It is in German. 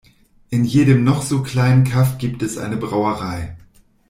In jedem noch so kleinen Kaff gibt es eine Brauerei.